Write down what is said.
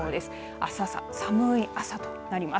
あす朝、寒い朝となります。